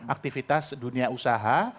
aktivitas dunia usaha